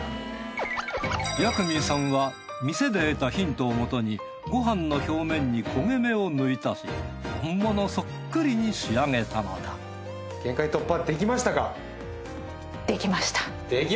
ヤクミィさんは店で得たヒントをもとにご飯の表面に焦げ目を縫い足し本物そっくりに仕上げたのだできました！